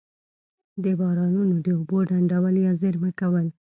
د بارانونو د اوبو ډنډول یا زیرمه کول.